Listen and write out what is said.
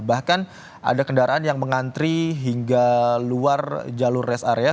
bahkan ada kendaraan yang mengantri hingga luar jalur rest area